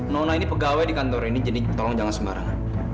nona ini pegawai di kantor ini tolong jangan sembarangan